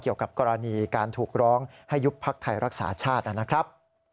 เกี่ยวกับกรณีการถูกร้องให้ยุบพักไทยรักษาชาตินะครับ